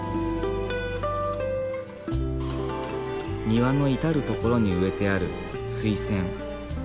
庭の至る所に植えてあるスイセン。